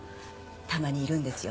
たまにいるんですよ。